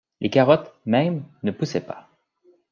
Les carottes mêmes ne poussaient pas.